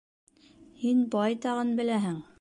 Һин байтағын беләһең.